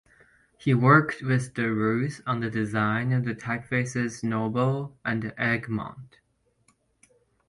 He worked with de Roos on the design of the typefaces Nobel and Egmont.